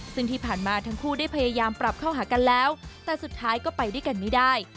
ซึ่งที่ผ่านมาทั้งคู่ได้พยายามปรับเข้าหากันแล้วแต่สุดท้ายก็ไปด้วยกันไม่ได้